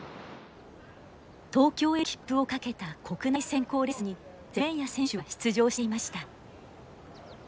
東京への切符をかけた国内選考レースにセメンヤ選手は出場していました。